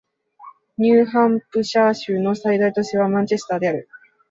ニューハンプシャー州の最大都市はマンチェスターである